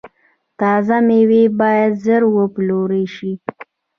تازه میوې باید ژر وپلورل شي.